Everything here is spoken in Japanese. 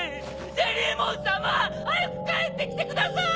ジェリーモンさま早く帰ってきてください！